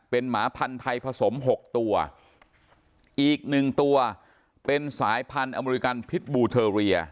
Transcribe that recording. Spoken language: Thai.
เป็นหมาพันธุ์ไทยผสมหกตัวอีกหนึ่งตัวเป็นสายพันธุ์อเมริกันพิษบูเทอเรีย